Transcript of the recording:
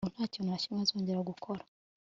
ubu ntakintu nakimwe azongera gukora